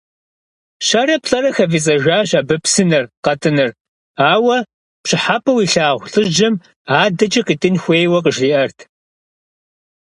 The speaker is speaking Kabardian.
Щэрэ-плӏэрэ хыфӏидзэжащ абы псынэр къэтӏыныр, ауэ пщӏыхьэпӏэу илъагъу лӏыжьым адэкӏэ къитӏын хуейуэ къыжриӏэрт.